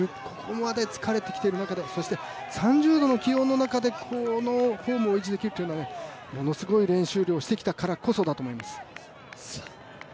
ここまで疲れてきている中で３０度の気温の中でこのフォームを維持できるっていうのはものすごい練習量をしてきたからこそだと思います。